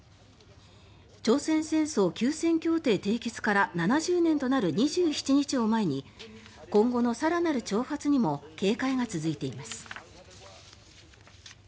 朝鮮戦争休戦協定締結から７０年となる２７日を前に今後の更なる挑発にも警戒が続いています。